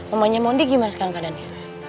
omanya mondi gimana sekarang keadaannya